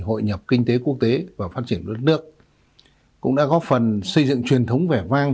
hội nhập kinh tế quốc tế và phát triển của đất nước cũng đã góp phần xây dựng truyền thống vẻ vang